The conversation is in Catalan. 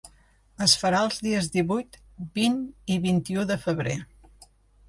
Es farà els dies divuit, vint i vint-i-u de febrer.